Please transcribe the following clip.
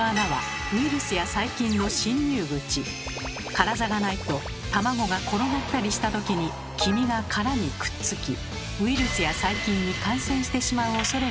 カラザがないと卵が転がったりしたときに黄身が殻にくっつきウイルスや細菌に感染してしまうおそれがあるのです。